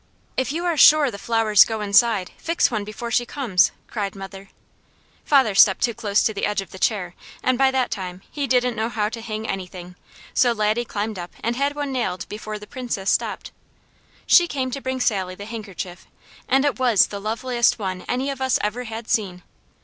"If you are SURE the flowers go inside, fix one before she comes!" cried mother. Father stepped too close the edge of the chair, and by that time he didn't know how to hang anything, so Laddie climbed up and had one nailed before the Princess stopped. She came to bring Sally the handkerchief, and it was the loveliest one any of us ever had seen.